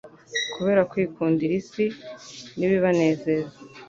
Kubera kwikundira isi n'ibibanezeza,